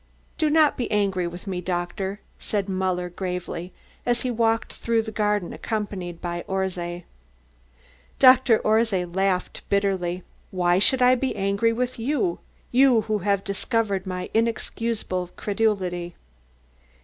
"Do not be angry with me, doctor," said Muller gravely, as he walked through the garden accompanied by Orszay. Doctor Orszay laughed bitterly. "Why should I be angry with you you who have discovered my inexcusable credulity?"